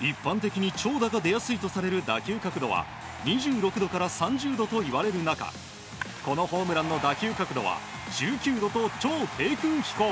一般的に長打が出やすいとされる打球角度は２６度から３０度といわれる中このホームランの打球角度は１９度と超低空飛行。